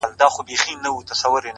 پوه انسان د زده کړې فرصت لټوي.